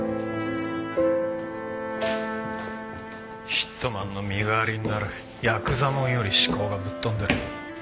ヒットマンの身代わりになるヤクザもんより思考がぶっ飛んでる。